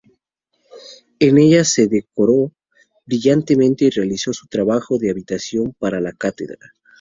En ella se doctoró brillantemente y realizó su trabajo de habilitación para la cátedra.